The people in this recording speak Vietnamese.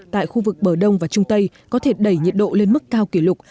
tại khu vực bờ đông và trung tây có thể đẩy nhiệt độ lên mức cao kỷ lục